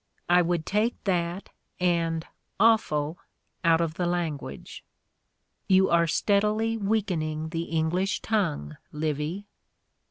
I would take that and "offal" out of the language. You are steadily weakening the English tongue, Livy.